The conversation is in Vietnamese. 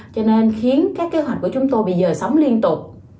cho nên khiến các kế hoạch của chúng tôi bị dời sóng liên tục